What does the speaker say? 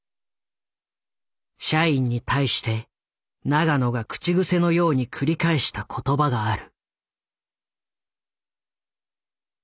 社員に対して永野が口癖のように繰り返した言葉がある。